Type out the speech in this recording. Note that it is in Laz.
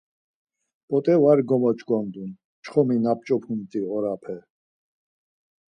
p̌ot̆e var gomoç̌ondun çxomi na p̌ç̌opumt̆i orape.